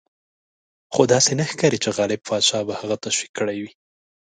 خو داسې نه ښکاري چې غالب پاشا به هغه تشویق کړی وي.